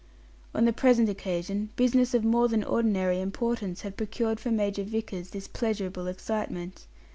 On the present occasion business of more than ordinary importance had procured for Major Vickers this pleasurable excitement.